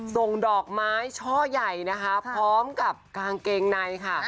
ส่งดอกไม้ช่อใหญ่นะคะพร้อมกับกางเกงในค่ะ